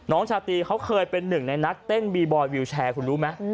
ชาตรีเขาเคยเป็นหนึ่งในนักเต้นบีบอยวิวแชร์คุณรู้ไหม